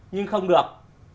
nhưng không được